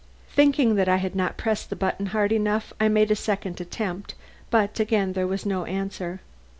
Thinking that I had not pressed the button hard enough, I made a second attempt, but again there was no answer.